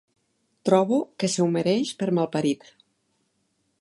Trobo que s'ho mereix per malparit.